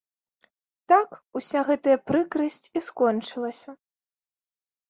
Так уся гэтая прыкрасць і скончылася.